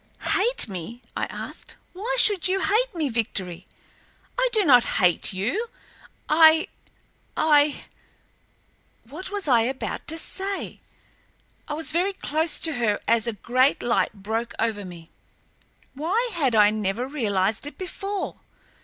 "Hate me?" I asked. "Why should you hate me, Victory? I do not hate you. I—I—" What was I about to say? I was very close to her as a great light broke over me. Why had I never realized it before?